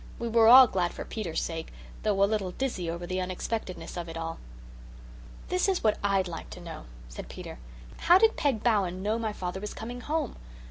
We were all glad for Peter's sake, though a little dizzy over the unexpectedness of it all. "This is what I'D like to know," said Peter. "How did Peg Bowen know my father was coming home?